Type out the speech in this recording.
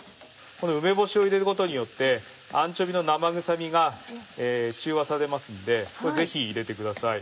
この梅干しを入れることによってアンチョビーの生臭みが中和されますんでこれぜひ入れてください。